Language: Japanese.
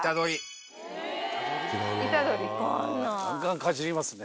ガンガンかじりますね。